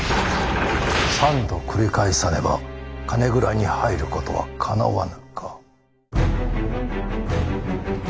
三度繰り返さねば金蔵に入る事はかなわぬか。